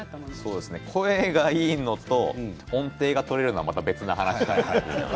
声がいいのと音程が取れるのはまた別の話なんですよね。